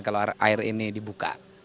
kalau air ini dibuka